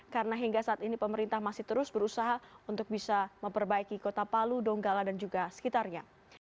karena hingga saat ini pemerintah masih terus berusaha untuk bisa memperbaiki kota palu donggala dan juga sekitarnya